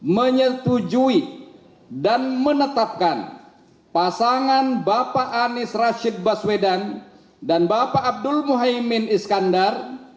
menyetujui dan menetapkan pasangan bapak anies rashid baswedan dan bapak abdul muhaymin iskandar